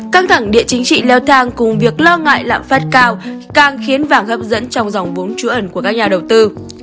căng thẳng địa chính trị leo thang cùng việc lo ngại lạm phát cao càng khiến vàng hấp dẫn trong dòng vốn trú ẩn của các nhà đầu tư